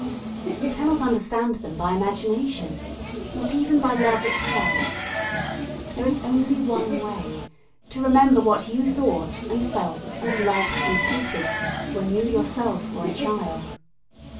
You cannot understand them by imagination not even by love itself. There is only one way: to remember what you thought and felt and liked and hated when you yourself were a child.